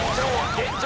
現状